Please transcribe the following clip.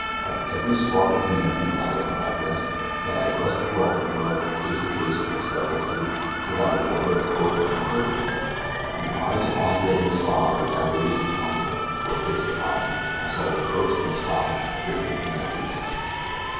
Had every spark of humanity died out of my breast, that I thus brought the girl face to face with the terrible truth, without a word of hope or comfort? The eyes of Andre and his father, dilated with hunger, were fixed upon me, and I saw reproach and astonishment written in their faces.